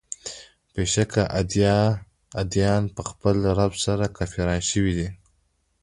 بېشکه عادیان په خپل رب سره کافران شوي دي.